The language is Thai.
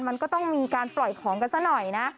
มันก็ต้องมีการปล่อยของกันซะหน่อยนะ